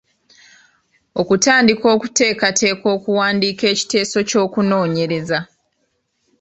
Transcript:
Okutandika okuteekateeka okuwandiika ekiteeso ky’okunoonyereza.